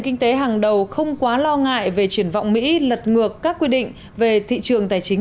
kinh tế hàng đầu không quá lo ngại về triển vọng mỹ lật ngược các quy định về thị trường tài chính